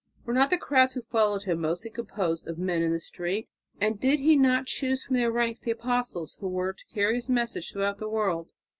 Were not the crowds who followed Him mostly composed of "men in the street"? And did He not choose from their ranks the Apostles who were to carry His message throughout the world?